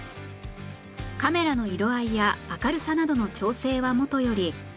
カメラの色合いや明るさなどの調整はもとより